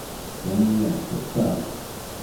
Фәниә, туҡта.